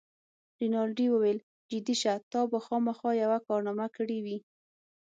رینالډي وویل: جدي شه، تا به خامخا یوه کارنامه کړې وي.